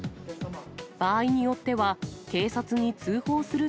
場合によっては、警察に通報する